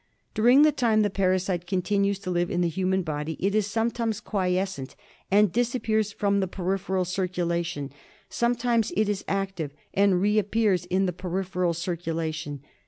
During the time the parasite continues to live in the human body it is sometimes quiescent and disappears from the peripheral circulation ; sometimes it is active and reappears in the peripheral circulation.